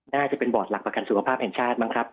น่าจะเป็นบอร์ดหลักประกันสุขภาพแห่งชาติบ้างครับ